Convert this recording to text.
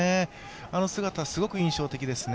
あの姿すごく印象的ですね。